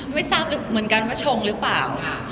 ไม่ทราบเหมือนกันว่าชงหรือเปล่าค่ะ